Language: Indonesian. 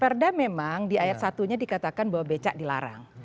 perda memang di ayat satunya dikatakan bahwa becak dilarang